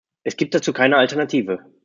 Es gibt dazu keine Alternative.